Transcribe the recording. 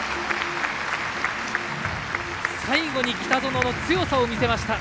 最後に北園の強さを見せました。